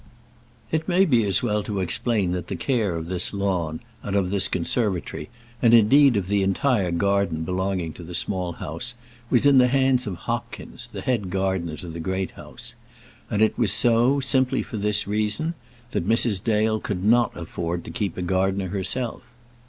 It may be as well to explain that the care of this lawn and of this conservatory, and, indeed, of the entire garden belonging to the Small House, was in the hands of Hopkins, the head gardener to the Great House; and it was so simply for this reason, that Mrs. Dale could not afford to keep a gardener herself.